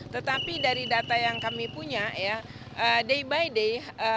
tetapi dari data yang kami punya ya day by day